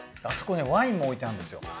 あそこねワインも置いてあるんですよ